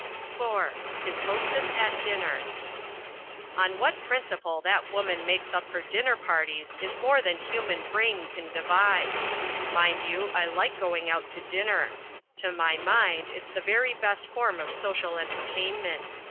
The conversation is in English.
(IV) HIS HOSTESS AT DINNER On what principle that woman makes up her dinner parties is more than human brain can devise. Mind you, I like going out to dinner. To my mind it's the very best form of social entertainment.